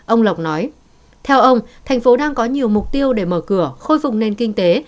ông lộc nói theo ông thành phố đang có nhiều mục tiêu để mở cửa khôi phục nền kinh tế